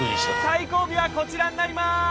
最後尾はこちらになります。